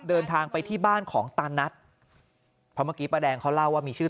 เดินทางไปที่บ้านของตานัทเพราะเมื่อกี้ป้าแดงเขาเล่าว่ามีชื่อ